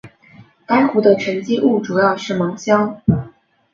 该湖的沉积物主要是芒硝。